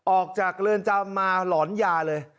ออกจากเรือนจำมาหลอนยาเลย